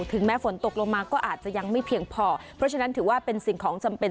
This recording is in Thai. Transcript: แม้ฝนตกลงมาก็อาจจะยังไม่เพียงพอเพราะฉะนั้นถือว่าเป็นสิ่งของจำเป็น